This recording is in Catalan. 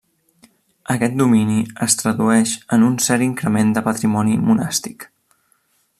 Aquest domini es tradueix en un cert increment de patrimoni monàstic.